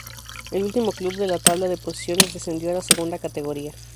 El último club de la tabla de posiciones descendió a la Segunda Categoría.